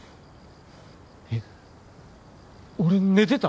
えっ俺寝てた？